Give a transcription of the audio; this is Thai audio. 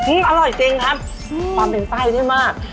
อื้มอร่อยจริงครับความเป็นใส่ได้มาก